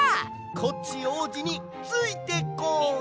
コッチおうじについてこい！